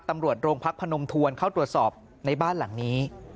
ตำรวจโรงพักพนมทวนเข้าตรวจสอบในบ้านหลังนี้